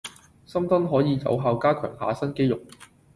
深蹲可以有效加強下身肌肉